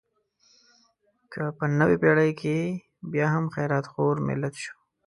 که په نوې پېړۍ کې بیا هم خیرات خور ملت شو.